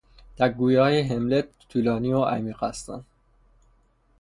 تک گوییهای هملت طولانی و عمیق هستند.